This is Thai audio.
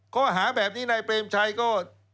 ข้อหาแบบนี้ในเบรมชายก็